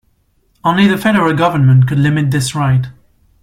Only the federal government could limit this right.